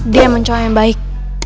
dia emang cowok yang baik